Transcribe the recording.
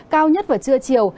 cao nhất vào trưa chiều